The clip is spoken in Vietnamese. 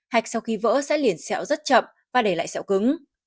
hạch sau khi vỡ sẽ liền xẹo rất chậm và để lại sẹo cứng